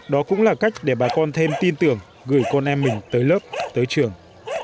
đó cũng là cách để bà con thêm tin tưởng gửi con em mình tới lớp tới trường